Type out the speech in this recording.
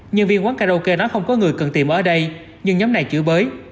nhân viên quán karaoke nói không có người cần tìm ở đây nhưng nhóm này chữ bới